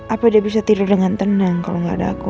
apa dia bisa tidur dengan tenang kalau nggak ada aku